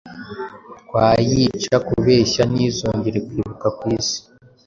twayica kubeshya ntizongere kwibukwa ku isi,